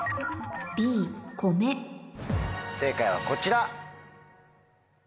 正解はこちら。